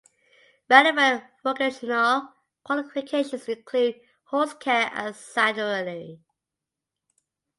Relevant vocational qualifications include Horse Care and Saddlery.